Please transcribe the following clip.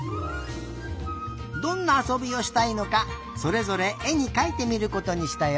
どんなあそびをしたいのかそれぞれえにかいてみることにしたよ。